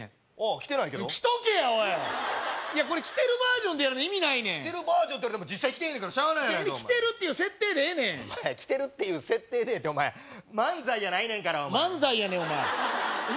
来てないけど来とけやおいこれ来てるバージョンでやらな意味ないねん来てるバージョンって言われても実際来てへんねんからしゃあない来てるっていう設定でええねん来てるっていう設定でええって漫才やないねんからお前漫才やねんお前お前